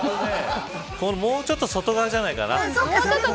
もうちょっと外側じゃないかな。